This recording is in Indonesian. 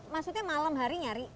maksudnya malam hari nyari